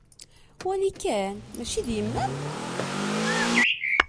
Wali kan! Mačči d yemma-m?